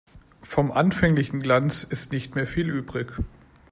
Vom anfänglichen Glanz ist nicht mehr viel übrig.